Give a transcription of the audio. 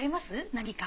何か。